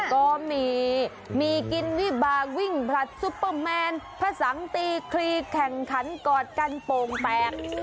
ก็มีมีกินวิบากวิ่งผลัดซุปเปอร์แมนพระสังตีคลีแข่งขันกอดกันโป่งแตก